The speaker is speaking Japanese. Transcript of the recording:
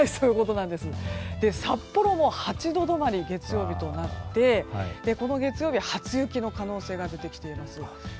月曜日は札幌も８度止まりとなってこの月曜日、初雪の可能性が出てきています。